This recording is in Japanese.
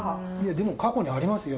でも過去にありますよ。